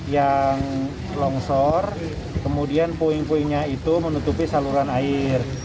yang longsor kemudian puing puingnya itu menutupi saluran air